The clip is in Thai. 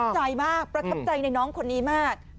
ใจมากประทับใจในน้องคนนี้มาก